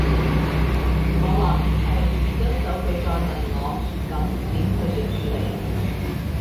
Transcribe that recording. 我話唔係，跟手佢再問我咁點去迪士尼